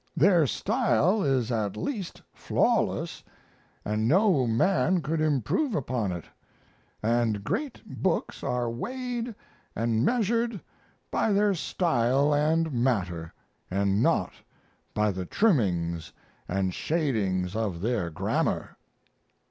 Their style is at least flawless and no man could improve upon it, and great books are weighed and measured by their style and matter, and not by the trimmings and shadings of their grammar.